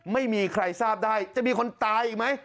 ไม่มีใครทราบได้จะมีคนตายอีกไหม